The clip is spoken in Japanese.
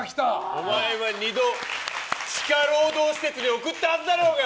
お前は２度、地下労働施設に送ったはずだろうが！